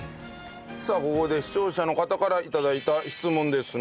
さあここで視聴者の方から頂いた質問ですね。